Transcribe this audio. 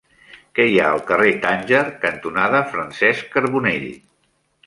Què hi ha al carrer Tànger cantonada Francesc Carbonell?